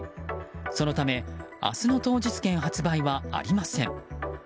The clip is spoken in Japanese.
そのため、明日の当日券発売はありません。